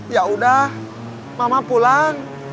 yaudah mama pulang